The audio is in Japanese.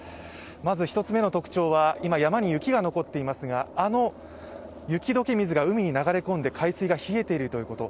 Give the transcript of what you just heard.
まず１つ目の特徴は、今、山に雪が残っていますがあの雪解け水が海に流れ込んで海水が冷えているということ。